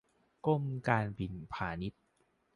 กรมการบินพาณิชย์